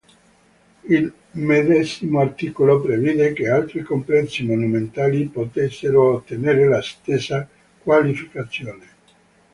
Il medesimo articolo previde che altri complessi monumentali potessero ottenere la stessa qualificazione.